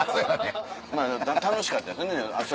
まぁ楽しかったですよね。